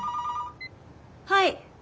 ☎はい。